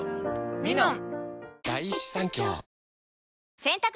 「ミノン」